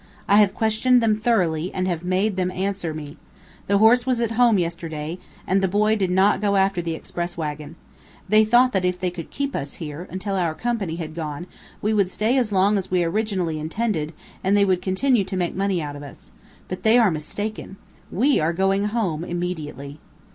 I have questioned them thoroughly, and have made them answer me. The horse was at home yesterday, and the boy did not go after the express wagon. They thought that if they could keep us here, until our company had gone, we would stay as long as we originally intended, and they would continue to make money out of us. But they are mistaken. We are going home immediately."